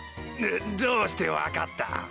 どうして分かった？